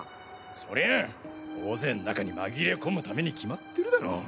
そりゃ大勢の中に紛れ込むために決まってるだろう。